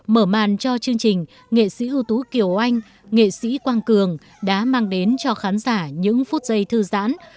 mở màn cho chương trình nghệ sĩ ưu tú kiều anh nghệ sĩ quang cường đã mang đến cho khán giả những phút giây thư giãn